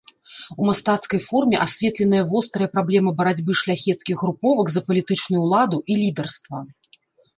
У мастацкай форме асветленая вострая праблема барацьбы шляхецкіх груповак за палітычную ўладу і лідарства.